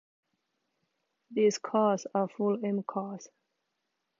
These cars are full M Cars.